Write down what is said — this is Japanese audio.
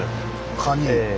カニ。